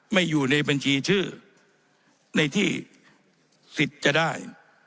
อยู่ในบัญชีชื่อในที่สิทธิ์จะได้